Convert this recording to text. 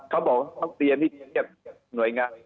เขาบอกว่าต้องเตรียมให้เชียบหน่วยงาน